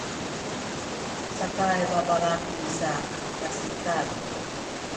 sakay babalaki sa kasikaz